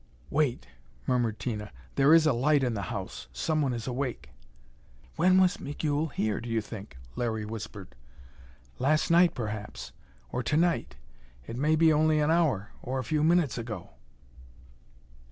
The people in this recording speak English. "Wait," murmured Tina. "There is a light in the house. Someone is awake." "When was Migul here, do you think?" Larry whispered. "Last night, perhaps. Or to night. It may be only an hour or a few minutes ago."